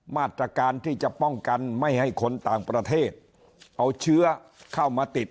มาตรการที่จะป้องกันไม่ให้คนต่างประเทศเอาเชื้อเข้ามาติด